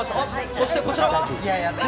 そして、こちらは。